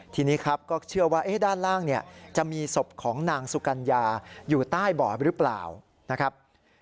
ทีนี้ครับก็เชื่อว่าด้านล่างเนี่ยจะมีศพของนางสุกัญญาอยู่ใต้บ่อหรือเปล่านะครับ